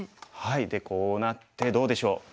でこうなってどうでしょう？